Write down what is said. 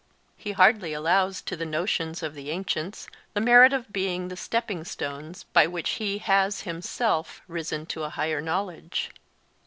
He hardly allows to the notions of the ancients the merit of being the stepping stones by which he has himself risen to a higher knowledge.